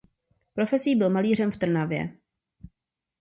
Profesí byl malířem v Trnavě.